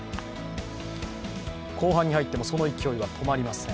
後半に入ってもその勢いは止まりません。